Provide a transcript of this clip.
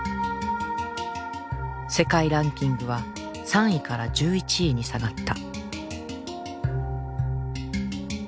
世界ランキングは３位から１１位に下がった。